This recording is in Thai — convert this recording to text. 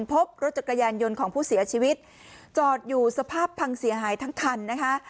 พบรถจักรยานยนต์ของผู้เสียชีวิตจอดอยู่สภาพพังเสียหายทั้งคันนะคะ